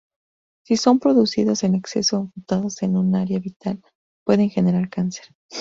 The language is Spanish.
Si son producidos en exceso o mutados en un área vital, pueden generar cáncer.